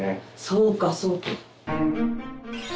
そうかそうか。